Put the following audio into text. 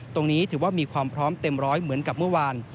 ตรงนี้ถือว่ามีความพร้อมเต็มร้อยเหมือนกับเมื่อวาน